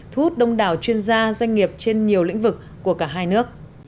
thu hút đông đảo chuyên gia doanh nghiệp trên nhiều lĩnh vực của cả hai nước